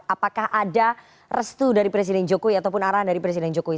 apakah ada restu dari presiden jokowi ataupun arahan dari presiden jokowi